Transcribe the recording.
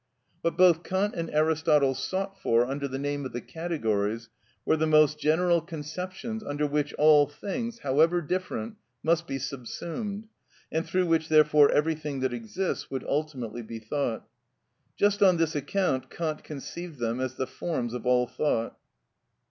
What both Kant and Aristotle sought for under the name of the categories were the most general conceptions under which all things, however different, must be subsumed, and through which therefore everything that exists would ultimately be thought. Just on this account Kant conceived them as the forms of all thought.